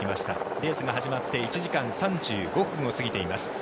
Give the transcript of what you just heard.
レースが始まって１時間３５分を過ぎています。